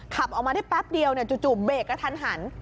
ขับออกมาได้แป๊บเดียวจู่เบรกกระทันหัน